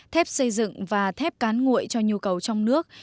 thép xây dựng và thép cán nguội cho nhu cầu trong nước